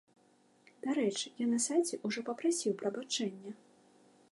Дарэчы, я на сайце ўжо папрасіў прабачэння!